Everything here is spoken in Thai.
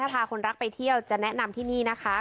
พาคนรักไปเที่ยวจะแนะนำที่นี่นะคะ